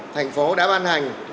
thành phố đã ban hành